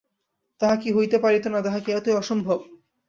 তাহা কি হইতে পারিত না, তাহা কি এতই অসম্ভব।